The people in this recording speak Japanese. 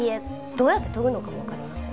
どうやって研ぐのかもわかりません。